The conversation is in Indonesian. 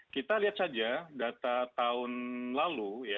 kita lihat saja data tahun lalu